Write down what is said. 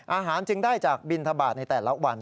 จึงได้จากบินทบาทในแต่ละวัน